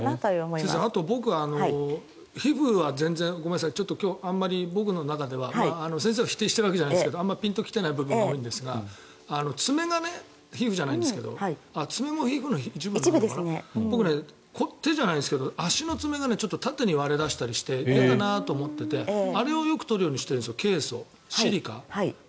先生、皮膚はちょっと今日あんまり僕の中では先生を否定しているわけではないですがあまりピンと来ていない部分が多いんですが爪が皮膚じゃないんですけど爪も皮膚の一部なのかな手じゃないですけど足の爪がちょっと縦に割れ出したりして嫌だなと思っててあれをよく取るようにしているんですケイ素、シリカ。